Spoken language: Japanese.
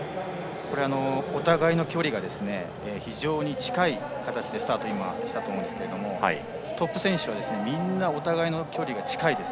お互いの距離が非常に近い形でスタートをしたと思うんですがトップ選手はみんなお互いの距離近いです。